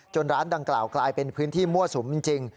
ร้านดังกล่าวกลายเป็นพื้นที่มั่วสุมจริง